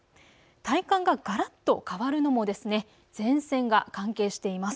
体感ががらっと変わるのも前線が関係しています。